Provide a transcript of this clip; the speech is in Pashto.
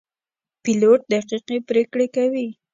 پیلوټ دقیقې پرېکړې کوي.